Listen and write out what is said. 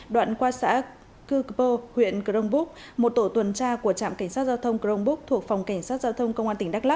đoạn qua xã cư cơ bơ huyện rookbook một tổ tuần tra của trạm cảnh sát giao thông rookbook thuộc phòng cảnh sát giao thông công an tỉnh đắk lắc